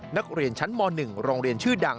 นักเรียนชั้นม๑โรงเรียนชื่อดัง